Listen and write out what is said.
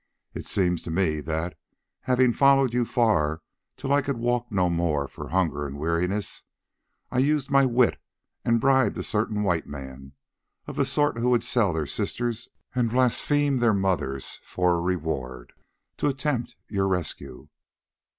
It seems to me that, having followed you far till I could walk no more for hunger and weariness, I used my wit and bribed a certain white man, of the sort who would sell their sisters and blaspheme their mothers for a reward, to attempt your rescue.